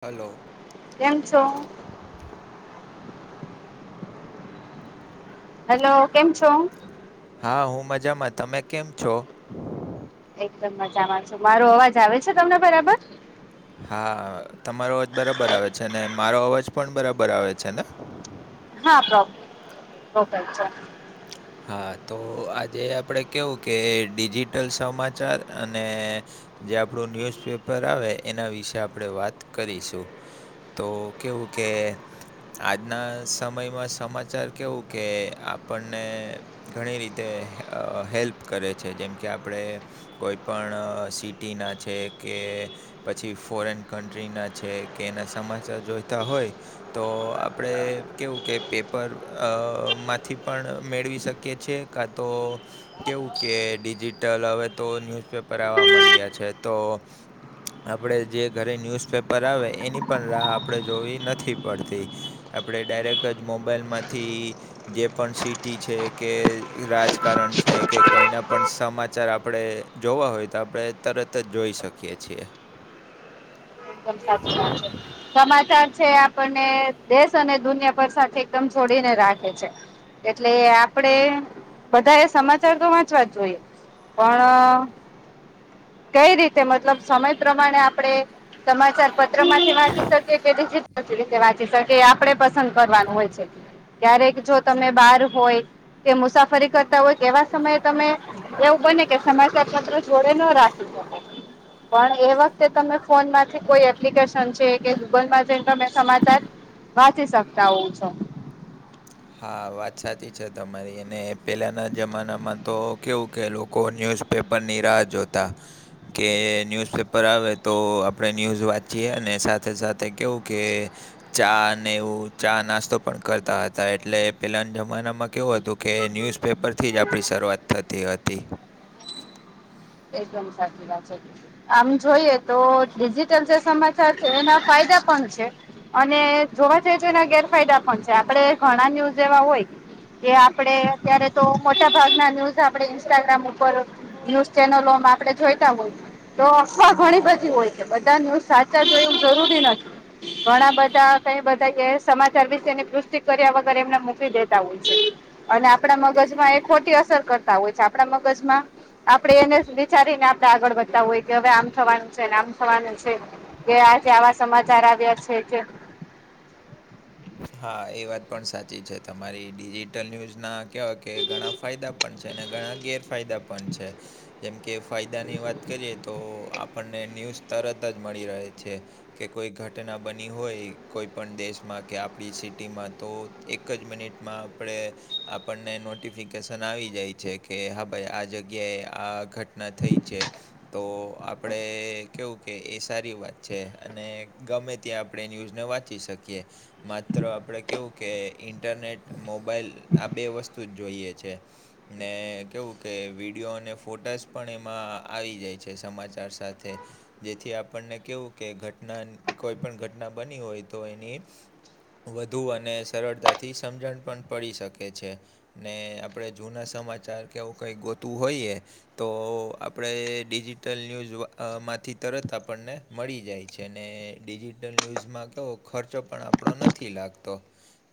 Hello કેમ છો? Hello. કેમ છો? હા હું મજામાં. તમે કેમ છો? એકદમ મજામાં છું. મારો અવાજ આવે છે તમને બરાબર? હા તમારો અવાજ બરાબર આવે છે ને. મારો અવાજ પણ બરાબર આવે છે ને? હા પ્રોપ પ્રોપર છે. હા તો આજે આપણે કેવું કે ડિજિટલ સમાચાર અને જે આપણું ન્યુઝપેપર આવે એના વિશે આપણે વાત કરીશું. તો કેવું કે આજના સમયમાં સમાચાર કેવું કે આપ આપણને ઘણી રીતે હેલ્પ કરે છે. જેમ કે આપણે કોઈ પણ સિટીના છે કે પછી ફોરેન કન્ટ્રીના છે કે એના સમાચાર જોઈતા હોય તો આપણે કેવું કે પેપર અ માંથી પણ મેળવી શકીએ છીએ કાં તો કેવું કે ડિજિટલ હવે તો ન્યુઝપેપર આવવા મંડ્યા છે તો આપણે જે ઘરે ન્યૂઝપેપર આવે એની પણ લાહ આપણે જોવી નથી પડતી. આપણે ડાયરેક્ટ જ મોબાઈલમાંથી જે પણ સિટી છે કે રાજકારણ છે કે કોઈના પણ સમાચાર આપણે જોવા હોય તો આપણે તરત જ જોઈ શકીએ છીએ. પણ સાચી વાત છે. સમાચાર છે આપણને દેશ અને દુનિયાભર સાથે એકદમ છોડીને રાખે છે. એટલે આપડે બધા એ સમાચાર તો વાંચવા જ જોઈએ. પણ. કઈ રીતે મતલબ સમય પ્રમાણે આપડે સમાચાર પત્ર માંથી વાચ શકીએ કે વા કે આપડે પસંદ કરવાનું હોય છે ક્યારેક જો તમે બહાર હોય. કે મુસાફરી કરતા હોય કે એવા સમયે તમે એવું બને કે સમાચાર પત્ર જોડે ન રાખ. [inaudible] પણ એ વખતે તમે ફોન માંથી કોઈ એપ્લિકેશન છે કે ગૂગલ માં જે તમે સમાચાર વાંચી શકતા હોવું છે. હા વાત સાચી છે તમારી અને પહેલાંના જમાનામાં તો કેવું કે લોકો ન્યૂઝ પેપરની રાહ જોતા. કે ન્યૂઝપેપર આવે તો આપણે ન્યૂઝ વાંચીએ અને સાથે સાથે કવું કે ચા નેવું ચા નાસ્તો પણ કરતા હતા એટલે પેલાના જમાનામાં કેવું હતું કે ન્યૂઝ પેપર થી જ આપણી શરૂઆત થતી હતી એકદમ સાચી વાત છે. આમ જોઈએ તો ડિજિટલ જે સમાચાર છે એના ફાયદા પણ છે. અને જોવા જઈએ તો એના ગેરફાયદા પણ છે આપડે ઘણા ન્યૂઝ એવા હોય કે આપડે અત્યારે તો મોટા ભાગના ન્યૂઝ આપડે ઇન્સ્ટાગ્રામ ઉપર ન્યૂઝ જેનો લોમ આપડે જોઈતા હોય. તો અફવા ઘણી બધી હોય છે બધા ન સાચા જોય એવું જરૂરી નથી. ઘણા બધા કઈ બધા કે સમાચાર વિશેની પુષ્ટિ કર્યા વગર એમને મૂકી દેતા હોય છે. અને આપણા મગજમાં એ ખોટી અસર કરતા હોય છે આપણા મગજમાં આપણે એને વિચારીને આપડે આગળ વધતાું હોય કે હવે આમ થવાનું છે ને આમ થવાનું છે કે આજે આવા સમાચાર આવ્યા છે. હા એ વાત પણ સાચી છે તમારી ડિજિટલ ન્યૂઝના કેવાય કે ઘણા ફાયદા પણ છે અને ઘણા ગેરફાયદા પણ છે જેમ કે ફાયદાની વાત કરીએ તો આપણને ન્યૂઝ એમ તરત જ મળી રહે છે કે કોઈ ઘટના બની હોય કોઈ પણણ દેશમાં કે આપણી સિટીમાં તો એક જ મિનિટમાં આપણે આપણને નોટિફિકેશન આવી જાય છે કે હા ભાઈ આ જગ્યાએ આ ઘટના થઈ છે. તો આપણે કેવું કે એ સારી વાત છે અને ગમે ત્યા આપણે ન્યૂઝને વાંચી શકીએ માત્ર આપણે કેવું કે ઇન્ટરનેટ મોબાાઈલ આ બે વસ્તુ જ જોઈએ છે. ને કેવું કે વિડીયો અને ફોટાસ પણ એમાં આવી જાય છે સમાચાર સાથે. જેથી આપણને કેવું કે ઘટના કોઈ પણ ઘટના બની હોય તો એની વધુ અને સરળતાથી સમજણ પણ પડી શકે છે. ને આપણેે જૂના સમાચાર કે એવું કઈક ગોતું હોઈએ તો આપણેે ડિજિટલ ન્યૂઝમાંથી તરત આપણને મળી જાય છે અને ડિજિટલ ન્યૂઝમાં કેવો ખર્ચો પણ આપણો નથી લાગતો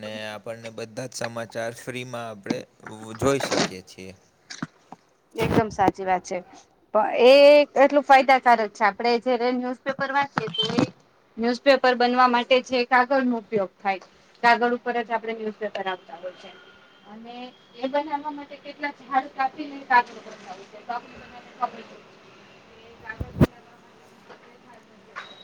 ને આપણને બધા જ સમાચાર ફ્રીમાં આપણે જોઈ શકીએ છીએ. એકદમ સાચી વાત છે. પણ એ એટલું ફાયદાકારક છે આપડે જયારે ન્યુઝપેપર વાંચીએ તો ન્યુઝપેપર બનવા માટે છે કાગળ નો ઉપયોગ થાય કાગગળ ઉપર જ આપડણે ન્યુઝપેપર આવતા હોય છે અને એ બનાવા માટે કેટલા ઝાડ કાપી સાક છે સાકડી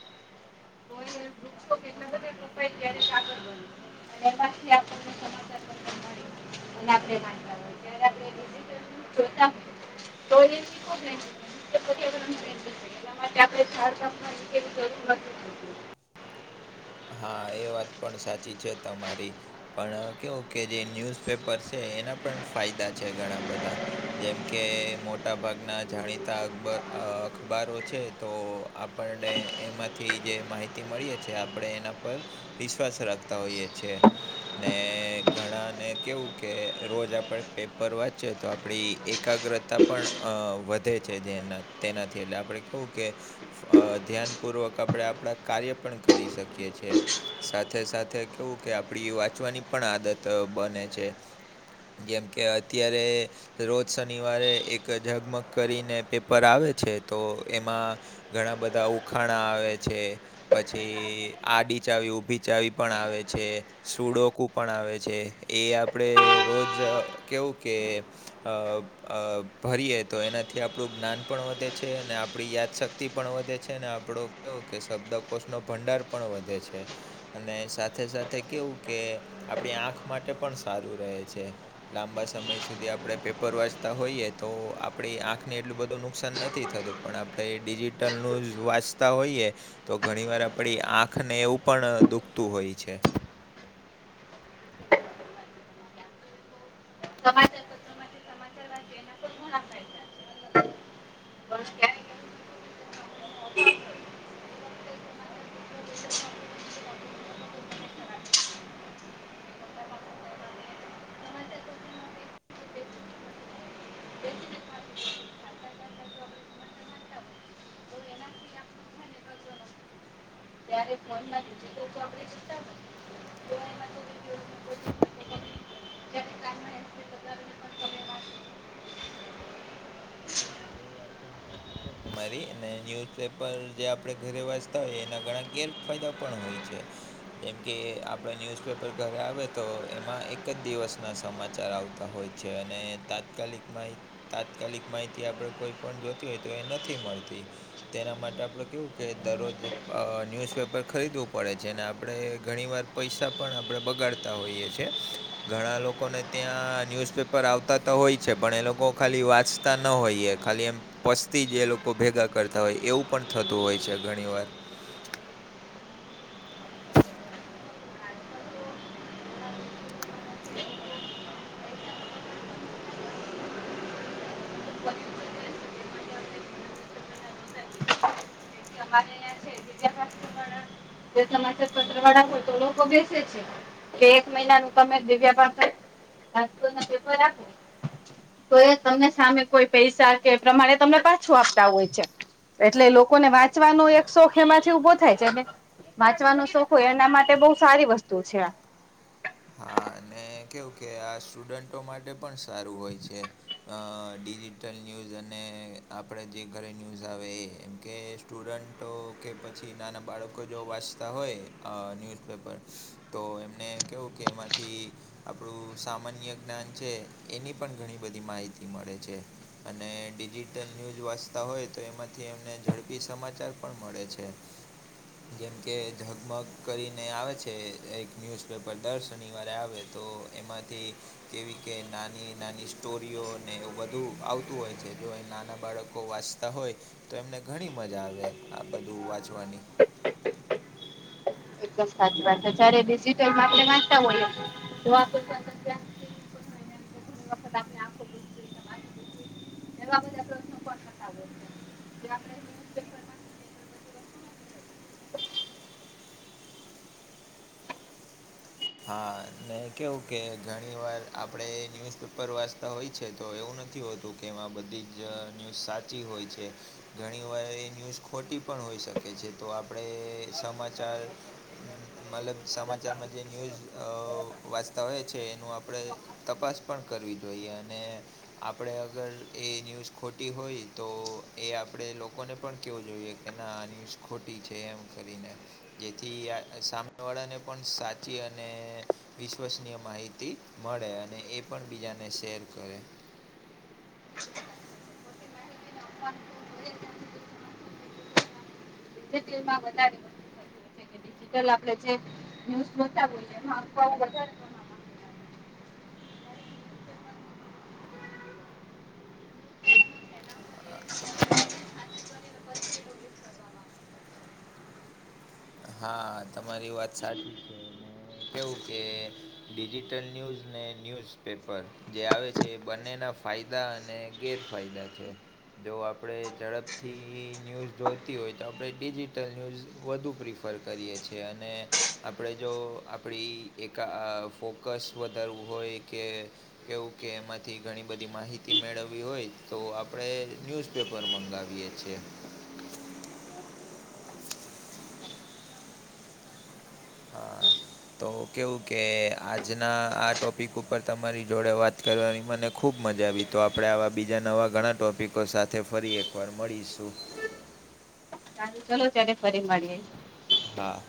કો વૃક્ષો કેટ બધ ક્યારે સાગર બન [unintelligible] [unintelligible] [unintelligible] હા એ વાત પણ સાચી છે તમારી પણ કેવું કે જે ન્યૂઝપેપર છે એના પણ ફાયદા છે ઘણા બધા જેમ કે મોટા ભાગના જાણીતા અબ અખબારો છે તો આપણને એમાંથી જે માહિતી મળીએ છે આપ આપણે એના પર વિશ્વાસ રાખતા હોઈએ છેએ ને ઘણાને કેવું કે રોજ આપણે પેપર વાંચએ તો આપણી એકાગ્રતા પણ વધે છે જેના તેનાથી એટલે આપણે કવું કે ધ્યાનપૂર્વક આપણે આપણા કાર્ય પણ કરી શકીએ છે સાથે સાથે કેવું કે આપડી વાંચવાની પણ આદત બને છે જેમ કે અત્યારે રોજ શનિવારે એક ઝગમગ કરીને પેપર આવે છે તો એમાં ઘણા બધા ઉખાણા આવે છે પછી આડી ચાવી ઊભી ચાવી પણ આવે છે સુડોકું પણ આવે છે એ આપણે રોજ કેવું કે અ ભરીએ તો એનાથી આપણું જ્ઞાન પણ વધે છે અને આપણી યાદશક્તિ પણ વધે છે ને આપણો કે શબ્દકોશનોો ભંડાર પણ વધે છે અને સાથે સાથે કેવું કે આપણી આંખ માટે પણ સારું રહે છે લાંબા સમય સુધી આપણે પેપર વાંચતા હોઈએ તો આપણી આંખને એટલું બધું નુકસાન નથી થતું પણ આપણે ડિજિટલ નું વાંચતા હોઈએ તો ઘણી વાર આપણી આખ આંખને એવું પણ દુખતું હોય છે સમાચાર પ માટે સમાચાર વા એના પણ ઘણા ફાયદા છે ત્યારે ફોન માંથી જ તો તો આપડે જોતા હોયે [unintelligible] [inaudible] [unintelligible] હા એ વાત પણ સાચી છે તમારી અને ન્યુઝપેપર જે આપડે ઘરે વાંચતા હોયએ એના ઘણા ગેર ફાયદા પણ હોય છે જેમકે આપણે ન્યૂઝપેપર ઘરે આવે તો એમાં એક જ દિવસના સમાચાર આવતા હોય છે અને તાત્કાલિકમાં તાત્કાલિક માહિતી આપડે કોઈ પણ જોતી હોય તો એ નથી મળતી તેના માટે આપડ કેવું કે દરરોજ અ ન્યૂઝપેપર ખરીદવું પડે છે અને આપણે ઘણી વાર પૈસા પણ આપણે બગાડતા હોઈએ છ છેએ ઘણા લોકોને ત્યાં ન્યુઝપેપર આવતા હોય છે પણ એ લોકો ખાલી વાચ તા ન હોયએ ખાલી એમ પસ્તી જે લોકો ભેગા કરતા હોય એવું પણ થતું હોય છે ઘણી વાર છે [unintelligible] સમાચાર પત્ર વાળા હોય તો લોકો વેચે છે તો એક મહિના ન તમે દિવ્યા પાસે પેપર આપે તો એ તમને સામે કોઈ પૈસા કે એ પ્રમાણે તમને પાછું આપતા હોય છે એટલે લોકોને વાંચવાનો એક શોખ એમાંથી ઉભો થાય છે ને વાંચવાનું શોખ હોય એના માટે બહ સારી વસ્તુ છે હા અને કેવું કે આ સ્ટુડન્ટો માટે પણ સારું હોય છે. ડિજિટલ ન્યૂઝ અને આપણે જે ઘરે ન્યૂઝ આવે એ એમ કે સ્ટુડન્ટો કે પછી નાના બાળકો જો વાંચતા હોય ન્યૂઝપેપર તો એમને કહેવું કે એમાંથી આપણું સામાન્ય જ્ઞાન છે એની પણ ઘણી બધી માહિતી મળે છે. અને ડિજિટલ ન્યૂઝ વાંચતા હોય તો એમાંથી એમને ઝડપી સમાચાર પણ મળે છે. જેમ કે ઝગમગ કરીને આવે છે એ એક ન્યૂઝ પેપર દર શનિવારે આવે તો એમાંથી કેવી કે નાની નાની સ્ટોરીઓ ને એવું બધું આવતું હોય છે, જો એ નાના બાળકો વાંચતા હોય તો એમને ઘણી મજા આવે આ બધું વાંચવાની. એકદમ સાચી વાત જ્યારે ડિજિટલ માંથી વાંચતા હોઈએ તો એવા બધા પ્રશ્નો પણ થતા હોય છે. ડિજિટલમાં વધારે વસ્તુ હા ને કેવું કે ઘણી વાર આપડે ન્યુઝ પેપર વાંચતા હોય છે તો એવું ન થી હોતું કે એમાં બધી જ અ ન્યૂઝ સાચી હોય છે. ઘણી વાર એ ન્યૂઝ ખોટી પણ હોઈ શકે છે તો આપડે સમાચાર અ મલબ સમાચારમાં જે ન્યૂઝ અ વાંચતા હોય છે એનું આપડે તપાસ પણ કરવી જોઈએ અને આપડે અગર એ ન્યૂઝ ખોટી હોય તો એ આપડે લોકોને પણ કેવું જોઈએ. કે ના આ ન્યૂઝ ખોટી છે એમ કરીને જેથી આ સામેવાળાને પણ સા ચી અને વિશ્વસનીય માહિતી મળે અને એ પણ બીજાને શેર કરે. [inaudible] તેલમાં વધારે ડિજિટલ આપડે જે ન્યૂઝ બતાવું [unintelligible] હા તમારી વાત સાચી છે, ને કેવું કે ડિજિટલ ન્યૂઝ ને ન્યૂઝપેપર જે આવે છે એ બંનેના ફાયદા અને ગેર ફાયદા છે. જો આપડે ઝડપથી ન્યૂઝ જોતી હોય તો આપડે ડિજિટલ ન્યૂઝ વધુ પ્રિફ ફર કરીએ છે અને આપડે જો આપડી એક આ ફોકસ વધારવું હોય કે કેવું કે એમાંથી ઘણી બધી માહિતી મેળવવી હોય તો આપડે ન્યૂઝ પેપર મંગાવીએ છે. હા. તો કેવું કે આજના આ ટોપિક ઉપર તમારી જોડે વાત કરવાની મને ખૂબ મજા આવી તો આપડે આવા બીજા નવા ઘણા ટોપિકો સાથે ફરી એકવાર મળીશું. સારું ચલો ત્યારે ફરી મળીએે. હા.